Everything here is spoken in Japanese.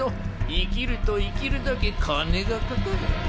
生きると生きるだけ金がかかる。